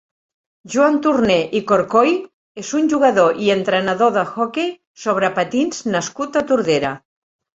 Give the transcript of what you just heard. Joan Torner i Corcoy és un jugador i entrenador d'hoquei sobre patins nascut a Tordera.